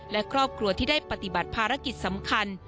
และครอบครัวที่ได้ปฏิบัติภารกิจสำคัญ